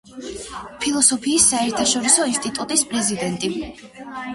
ფილოსოფიის საერთაშორისო ინსტიტუტის პრეზიდენტი.